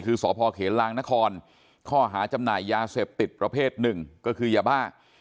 คือสพเขลางนครข้อหาจำหน่ายยาเสพติดประเภทหนึ่งก็คือยาบ้า